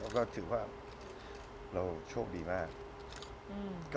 ก็ถือว่าเราโชคดีมาก